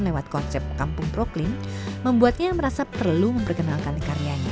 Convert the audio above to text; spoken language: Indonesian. lewat konsep kampung broklin membuatnya merasa perlu memperkenalkan karyanya